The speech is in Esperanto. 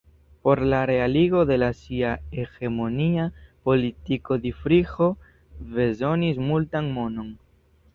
Por la realigo de sia hegemonia politiko Ditriĥo bezonis multan monon.